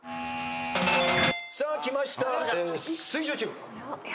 さあきました水１０チーム。